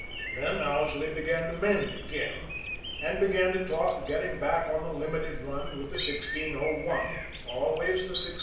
Then Owsley began to mend again, and began to talk of getting back on the Limited run with the 1601 always the 1601.